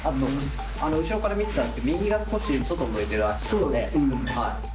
後ろから見てたんですけど、右が少し外向いている足なので。